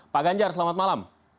pak ganjar selamat malam